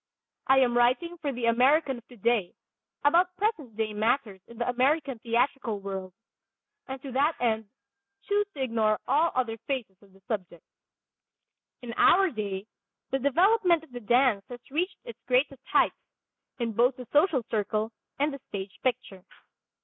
I am writing for the American of today about present day matters in the American theatrical world, and to that end choose to ignore all other phases of the subject. In our day the development of the dance has reached its greatest heights, in both the social circle and the stage picture.